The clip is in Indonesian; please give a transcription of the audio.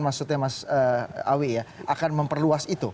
maksudnya mas awi ya akan memperluas itu